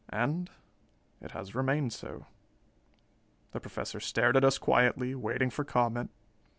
And it has remained so." The Professor stared at us quietly, waiting for comment.